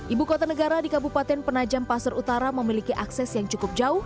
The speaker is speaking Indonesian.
ibu kota negara di kabupaten penajam pasar utara memiliki akses yang cukup jauh